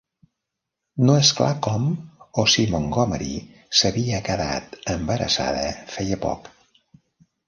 No és clar com o si Montgomery s'havia quedat embarassada feia poc.